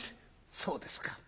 「そうですか。